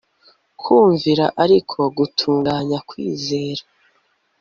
kumvira ariko gutunganya kwizera